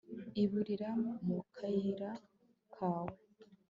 Iburira Mu kayira kawe